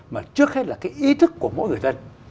mà trước hết là cái ý thức của mỗi người dân